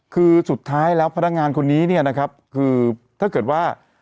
คือสุดท้ายแล้วพนักงานคนนี้เนี่ยนะครับคือถ้าเกิดว่า